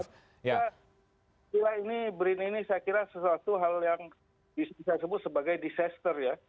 kira ini brin ini saya kira sesuatu hal yang bisa disebut sebagai disaster ya